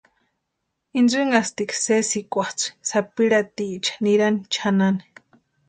Intsïnhasti sésïkwa tsʼï sapirhatiecha nirani chʼanani.